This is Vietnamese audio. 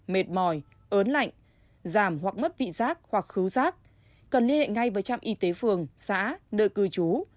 mệt mỏi ớn lạnh giảm hoặc mất vị giác hoặc cứu rác cần liên hệ ngay với trạm y tế phường xã nơi cư trú